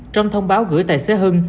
trong thông báo gửi tài xế hưng